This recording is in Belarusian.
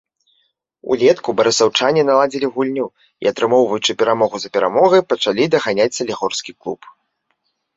Улетку барысаўчане наладзілі гульню, і, атрымоўваючы перамогу за перамогай, пачалі даганяць салігорскі клуб.